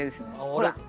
ほら。